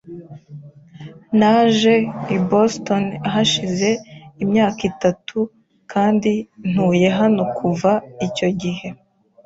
Naje i Boston hashize imyaka itatu kandi ntuye hano kuva icyo gihe.